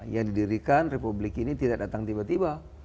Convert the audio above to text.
yang didirikan republik ini tidak datang tiba tiba